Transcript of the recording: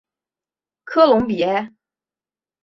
科隆比埃。